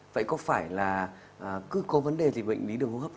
vậy có phải là cứ có vấn đề gì bệnh lý đường hô hấp